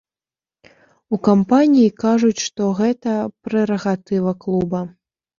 У кампаніі кажуць, што гэта прэрагатыва клуба.